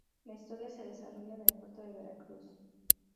La historia se desarrolla en el puerto de Veracruz.